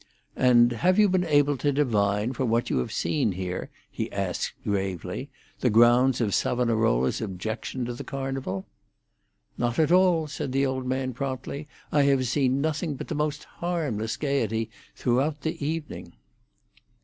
"And have you been able to divine from what you have seen here," he asked gravely, "the grounds of Savonarola's objection to the Carnival?" "Not at all," said the old man promptly. "I have seen nothing but the most harmless gaiety throughout the evening."